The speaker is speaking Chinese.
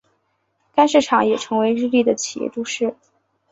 该市场也成为日立的的企业都市。